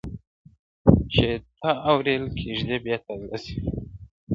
• چي یې ته اوربل کي کښېږدې بیا تازه سي..